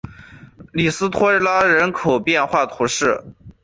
里斯托拉人口变化图示